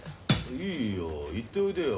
いいよ行っておいでよ。